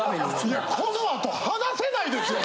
いやこのあと話せないですよ